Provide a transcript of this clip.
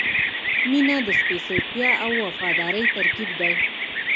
• مینه د سپېڅلتیا او وفادارۍ ترکیب دی.